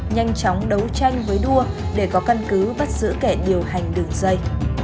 nhanh chóng đấu tranh với đua để có căn cứ bắt giữ kẻ điều hành đường dây